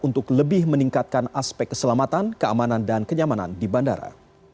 untuk lebih meningkatkan aspek keselamatan keamanan dan kenyamanan di bandara